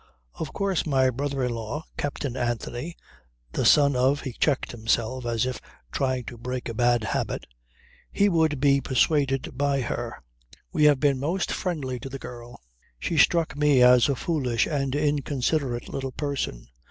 "Of course my brother in law, Captain Anthony, the son of ..." He checked himself as if trying to break a bad habit. "He would be persuaded by her. We have been most friendly to the girl!" "She struck me as a foolish and inconsiderate little person.